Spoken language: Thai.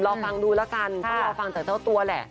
รอฟังดูแล้วกันต้องรอฟังจากเจ้าตัวแหละ